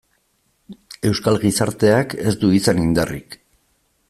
Euskal gizarteak ez du izan indarrik.